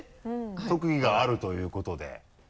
特技があるということで。